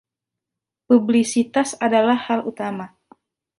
Publisitas adalah hal utama.